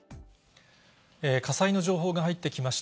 火災の情報が入ってきました。